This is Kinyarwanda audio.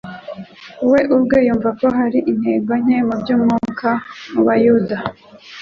We ubwe yumvaga ko hari intege nke mu by’umwuka mu Bayuda,